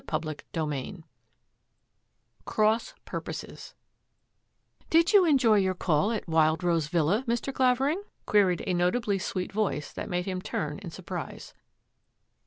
CHAPTER XVm CROSS PURPOSES " Did you enjoy your call at Wild Rose Villa, Mr. Clavering? " queried a notably sweet voice that made him turn in surprise.